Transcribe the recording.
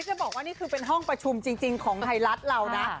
จะบอกว่านี่คือเป็นห้องประชุมจริงของไทยรัฐเรานะ